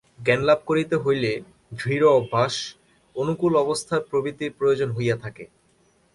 জ্ঞানলাভ করিতে হইলে দৃঢ় অভ্যাস, অনুকূল অবস্থা প্রভৃতির প্রয়োজন হইয়া থাকে।